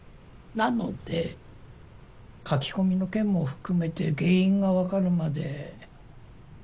なので書き込みの件も含めて原因が分かるまで。